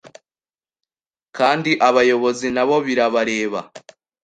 kandi abayobozi nabo birabareba